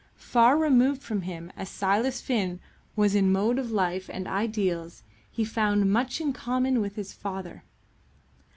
Far removed from him as Silas Finn was in mode of life and ideals, he found much in common with his father.